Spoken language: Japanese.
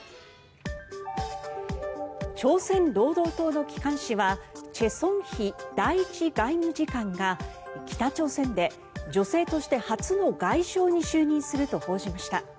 朝鮮労働党の機関紙はチェ・ソンヒ第１外務次官が北朝鮮で女性として初の外相に就任すると報じました。